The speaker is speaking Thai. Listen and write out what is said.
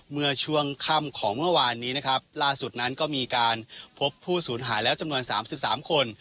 เมื่อช่วงค่ำของเมื่อวานนี้นะครับล่าสุดนั้นก็มีการพบผู้สูญหายแล้วจำนวน๓๓คน